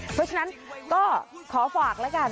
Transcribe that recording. เพราะฉะนั้นก็ขอฝากแล้วกัน